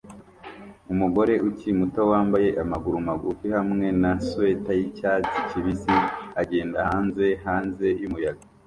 Umugore ukiri muto wambaye amaguru magufi hamwe na swater yicyatsi kibisi agenda hanze hanze yumuyaga